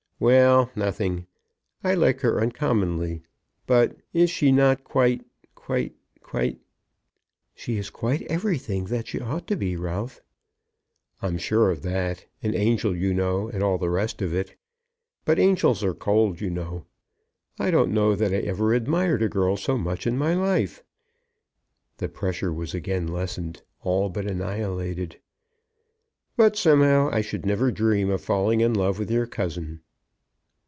"Well; nothing. I like her uncommonly; but is she not quite, quite, quite " "She is quite everything that she ought to be, Ralph." "I'm sure of that; an angel, you know, and all the rest of it. But angels are cold, you know. I don't know that I ever admired a girl so much in my life." The pressure was again lessened, all but annihilated. "But, somehow, I should never dream of falling in love with your cousin."